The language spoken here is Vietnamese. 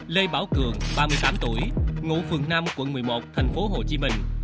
lê bảo cường ba mươi tám tuổi ngụ phường năm quận một mươi một thành phố hồ chí minh